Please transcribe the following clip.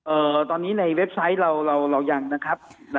ตอนนี้ในเว็บไซต์เราเรายังนะครับ